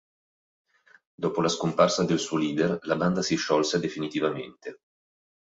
Dopo la scomparsa del suo "leader", la banda si sciolse definitivamente.